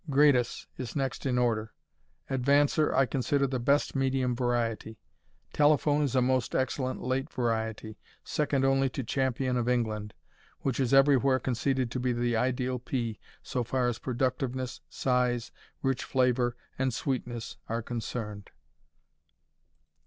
Gradus is next in order. Advancer I consider the best medium variety. Telephone is a most excellent late variety, second only to Champion of England, which is everywhere conceded to be the ideal pea so far as productiveness, size, rich flavor, and sweetness are concerned.